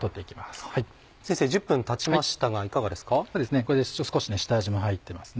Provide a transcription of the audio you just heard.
これで少し下味も入ってますね。